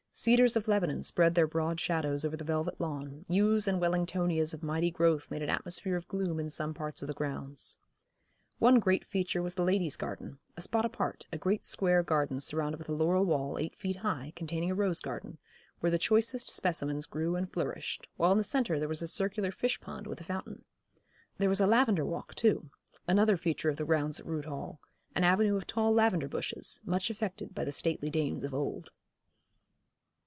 Cedars of Lebanon spread their broad shadows on the velvet lawn, yews and Wellingtonias of mighty growth made an atmosphere of gloom in some parts of the grounds. One great feature was the Ladies' Garden, a spot apart, a great square garden surrounded with a laurel wall, eight feet high, containing a rose garden, where the choicest specimens grew and flourished, while in the centre there was a circular fish pond with a fountain. There was a Lavender Walk too, another feature of the grounds at Rood Hall, an avenue of tall lavender bushes, much affected by the stately dames of old.